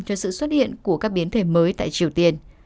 cho sự xuất hiện của các biến thể mới tại triều tiên